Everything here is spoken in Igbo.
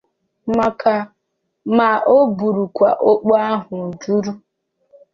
ma bụrụkwa okpo hụ ọ jụrụ